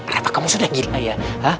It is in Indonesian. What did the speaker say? reva kamu sudah gila ya